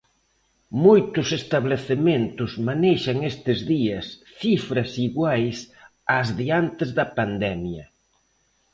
Moitos establecementos manexan estes días cifras iguais ás de antes da pandemia.